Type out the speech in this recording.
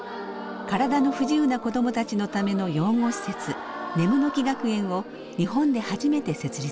体の不自由な子どもたちのための養護施設ねむの木学園を日本で初めて設立。